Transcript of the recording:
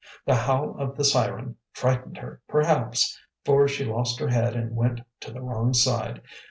The howl of the siren frightened her perhaps, for she lost her head and went to the wrong side.